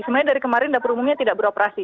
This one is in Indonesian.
sebenarnya dari kemarin dapur umumnya tidak beroperasi